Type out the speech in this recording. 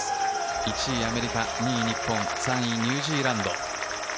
１位アメリカ、２位日本、３位ニュージーランド。